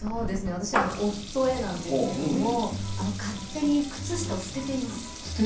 私は夫へなんですけれど勝手に靴下を捨てています。